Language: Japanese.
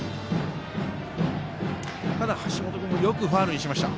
ただ橋本君もよくファウルにしました。